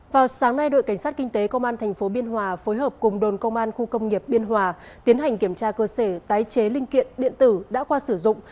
vào sáng nay đội cảnh sát kinh tế công an tp biên hòa phối hợp cùng đồn công an khu công nghiệp biên hòa tiến hành kiểm tra cơ sở tái chế linh kiện điện tử đã qua sử dụng